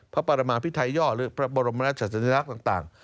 พระปรมาภิไธยรรย์หรือพระบรมนาศิการต่าง